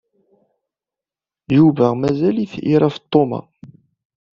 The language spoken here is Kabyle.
Yuba mazal-it ira Feṭṭuma.